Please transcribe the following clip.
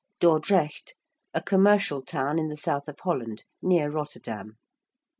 ~Dordrecht~: a commercial town in the south of Holland, near Rotterdam.